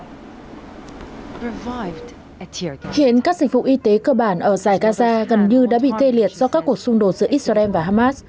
hiện các dịch vụ y tế cơ bản ở dài gaza gần như đã bị tê liệt do các cuộc xung đột giữa israel và hamas